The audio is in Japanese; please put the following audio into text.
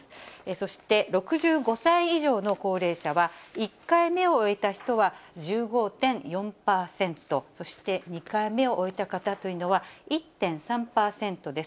そして６５歳以上の高齢者は、１回目を終えた人は１５．４％、そして２回目を終えた方というのは１．３％です。